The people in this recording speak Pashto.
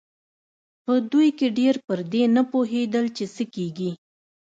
په دوی کې ډېر پر دې نه پوهېدل چې څه کېږي.